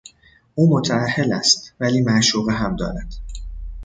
او متاهل است ولی معشوقه هم دارد.